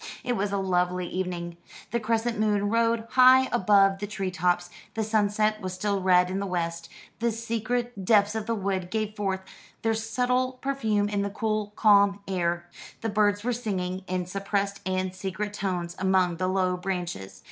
It was a lovely evening. The crescent moon rode high above the tree tops; the sunset was still red in the west. The secret depths of the wood gave forth their subtle perfume in the cool, calm air. The birds were singing in suppressed and secret tones among the low branches.